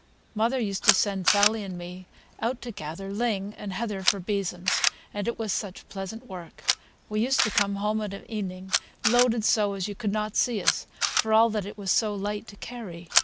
Mother used to send Sally and me out to gather ling and heather for besoms, and it was such pleasant work! We used to come home of an evening loaded so as you could not see us, for all that it was so light to carry.